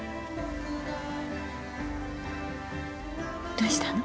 どうしたの？